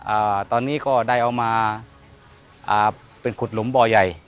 อ่าตอนนี้ก็ได้เอามาอ่าเป็นขุดหลุมบ่อใหญ่